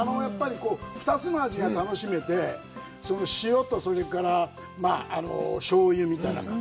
２つの味が楽しめて、塩と、それから醤油みたいな。